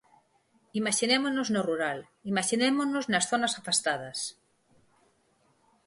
Imaxinémonos no rural, imaxinémonos nas zonas afastadas.